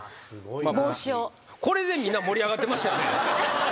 これでみんな盛り上がってましたよね。